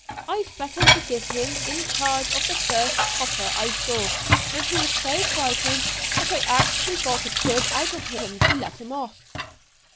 I threatened to give him in charge of the first 'copper' I saw; and he was so frightened that I actually got a 'quid' out of him to let him off."